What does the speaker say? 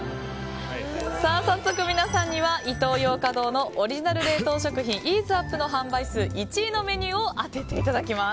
早速皆さんにはイトーヨーカドーのオリジナル冷凍食品ＥＡＳＥＵＰの販売数１位のメニューを当てていただきます。